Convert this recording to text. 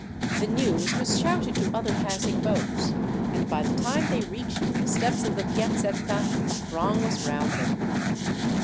The news was shouted to other passing boats, and by the time they reached the steps of the Piazzetta, a throng was round them.